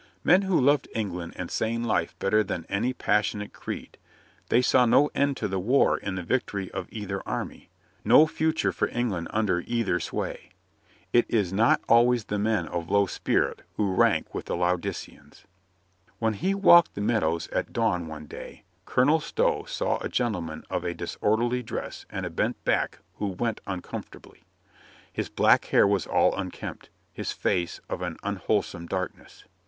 Men who loved England and sane life better than any pas sionate creed, they saw no end to the war in the victory of either army, no future for England un der either sway. It is not always the men of low spirit who rank with the Laodiceans. When he walked the meadows at dawn one day Colonel Stow saw a gentleman of a disorderly dress and a bent back who went uncomfortably. His black hair was all unkempt, his face of an unwholesome darkness.